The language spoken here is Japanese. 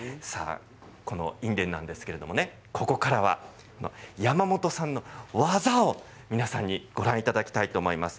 この印伝なんですけれどもここからは山本さんの技を皆さんにご覧いただきたいと思います。